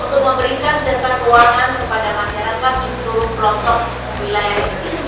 untuk memberikan jasa keuangan kepada masyarakat di seluruh pelosok wilayah indonesia